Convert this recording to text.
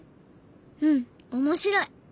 うん面白い！